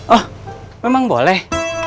oh memang boleh